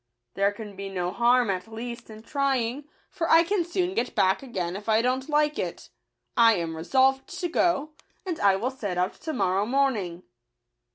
There can be no harm, at least, in trying ; for I can soon get back again if I don't like it. I am resolved to go, and I will set out to morrow morning."